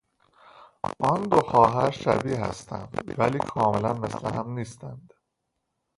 آن دو خواهر شبیه هستند ولی کاملا مثل هم نیستند.